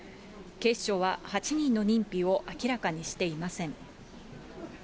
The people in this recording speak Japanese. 警視庁は８人の認否を明らかにしていません。